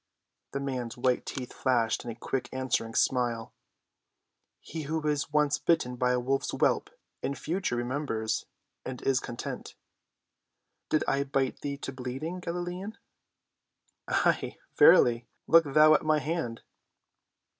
The man's white teeth flashed in a quick answering smile. "He who is once bitten by a wolf's whelp in future remembers and is content." "Did I bite thee to bleeding, Galilean?" "Aye, verily, look thou at my hand."